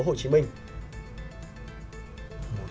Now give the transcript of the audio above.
một sự lựa chọn